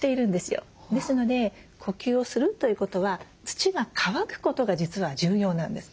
ですので呼吸をするということは土が乾くことが実は重要なんです。